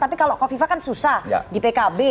tapi kalau kofifa kan susah di pkb